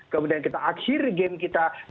kemudian kita akhir game kita